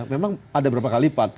memang ada berapa kali lipat